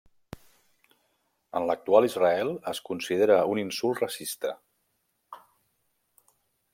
En l'actual Israel es considera un insult racista.